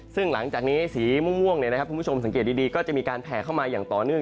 ซึ่งหลังจากนี้สีม่วงคุณผู้ชมสังเกตดีก็จะมีการแผ่เข้ามาอย่างต่อเนื่อง